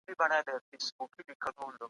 څېړونکی باید ډېر صبر ولري.